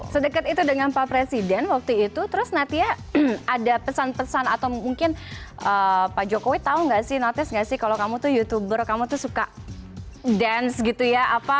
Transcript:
sedekat itu dengan pak presiden waktu itu terus natia ada pesan pesan atau mungkin pak jokowi tahu nggak sih notice gak sih kalau kamu tuh youtuber kamu tuh suka dance gitu ya